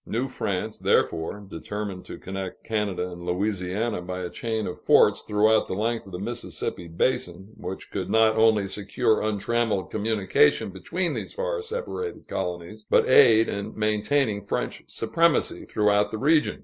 New France, therefore, determined to connect Canada and Louisiana by a chain of forts throughout the length of the Mississippi basin, which should not only secure untrammeled communication between these far separated colonies, but aid in maintaining French supremacy throughout the region.